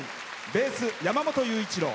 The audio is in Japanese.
ベース、山本優一郎。